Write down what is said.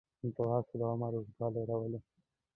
ځغاسته د عمر اوږدوالی راولي